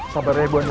sabarnya ibu andin